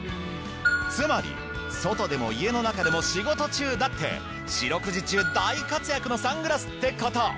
つまり外でも家の中でも仕事中だって四六時中大活躍のサングラスって事！